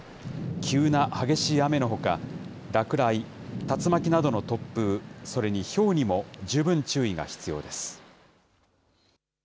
急な激しい雨のほか、落雷、竜巻などの突風、それにひょうにも十分注意が必要です。